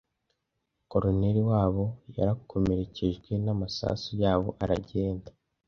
Koloneli wabo yarakomerekejwe n'amasasu yabo aragenda,